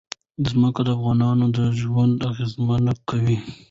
ځمکه د افغانانو ژوند اغېزمن کوي.